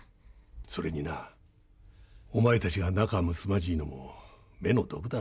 それになお前たちが仲むつまじいのも目の毒だろう